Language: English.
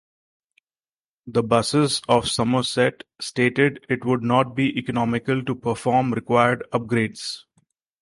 The Buses of Somerset stated it would not be economical to perform required upgrades.